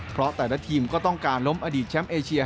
เพราะแต่ละทีมก็ต้องการล้มอดีตแชมป์เอเชีย